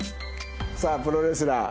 さあプロレスラー。